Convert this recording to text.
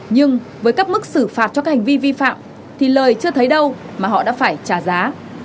nhưng với các mức xử phạt cho các hành vi vi phạm thì lời chưa thấy đâu mà họ đã phải trả giá